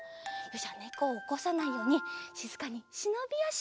じゃねこをおこさないようにしずかにしのびあし。